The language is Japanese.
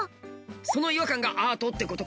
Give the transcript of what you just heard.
その違和感がアートってことか。